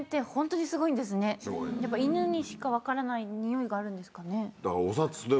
やっぱ犬にしか分からないにおいがあるんですかね？